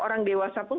orang dewasa pun